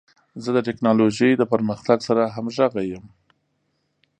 زه د ټکنالوژۍ د پرمختګ سره همغږی یم.